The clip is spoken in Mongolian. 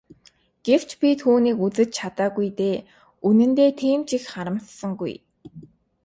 Гэвч би түүнийг үзэж чадаагүй дээ үнэндээ тийм ч их харамссангүй.